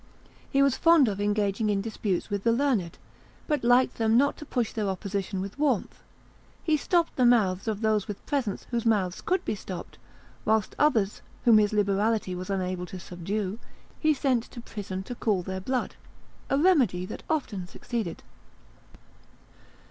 He was fond of engaging in disputes with the learned, but liked them not to push their opposition with warmth; he stopped the mouths of those with presents whose mouths could be stopped, whilst others, whom his liberality was unable to subdue, he sent to prison to cool their blood: a remedy that often succeeded.